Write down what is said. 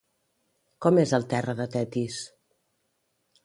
Com és el terra de Tetis?